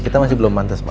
kita masih belum pantas ma